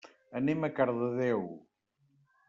Anem a Cardedeu.